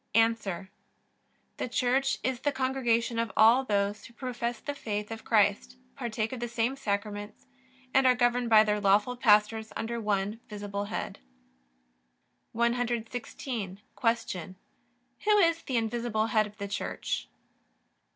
A. The Church is the congregation of all those who profess the faith of Christ, partake of the same Sacraments, and are governed by their lawful pastors under one visible head. 116. Q. Who is the invisible Head of the Church?